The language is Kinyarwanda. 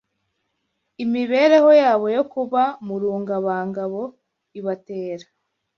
Imibereho yabo yo kuba mu rungabangabo ibatera